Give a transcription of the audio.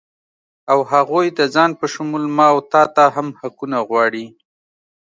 او هغوی د ځان په شمول ما و تاته هم حقونه غواړي